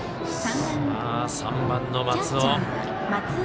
３番の松尾。